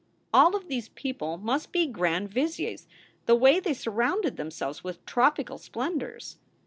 All of these people must be grand viziers the way they surrounded themselves with tropical splendors.